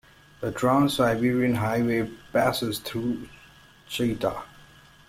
The Trans-Siberian Highway passes through Chita.